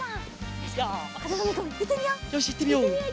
よしいってみよう。